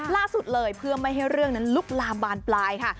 ล่าสุดเลยเพื่อไม่ให้เรื่องนั้นลุกลามบานปลายค่ะ